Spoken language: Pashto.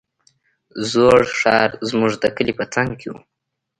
زوړ ښار زموږ د کلي په څنگ کښې و.